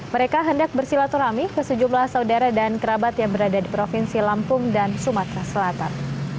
mereka hendak bersilaturahmi ke sejumlah saudara dan kerabat yang berada di provinsi lampung dan sumatera selatan